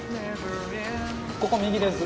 ここ右です。